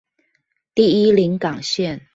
第一臨港線